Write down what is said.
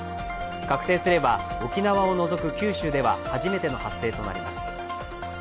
確定すれば沖縄を除く九州では初めての発生となります。